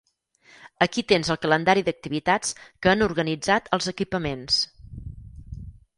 Aquí tens el calendari d'activitats que han organitzat els equipaments.